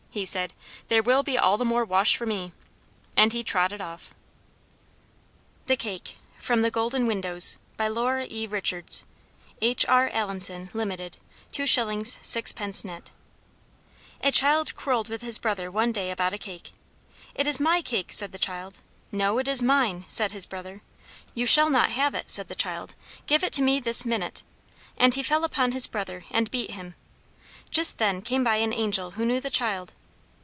he said. "There will be all the more wash for me!" And he trotted off. THE CAKE [Footnote 1: From The Golden Windows, by Laura E. Richards. (H.R. Allenson Ltd. 2s. 6d. net.)] A child quarrelled with his brother one day about a cake. "It is my cake!" said the child. "No, it is mine!" said his brother. "You shall not have it!" said the child. "Give it to me this minute!" And he fell upon his brother and beat him. Just then came by an Angel who knew the child.